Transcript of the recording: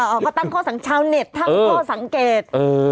เขาก็ตั้งข้อสังชาวเน็ตตั้งข้อสังเกต